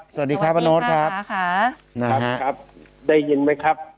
สวัสดีครับปะโน๊ตครับได้ยินไหมครับ